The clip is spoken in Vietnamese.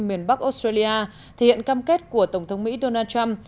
miền bắc australia thể hiện cam kết của tổng thống mỹ donald trump